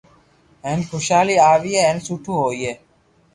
ھين خوݾالي آئئي ھين سٺو ھوئي